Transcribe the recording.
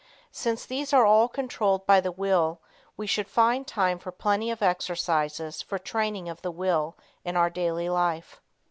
Since these are all controlled by the Will, we should find time for plenty of exercises for training of the will in our daily life.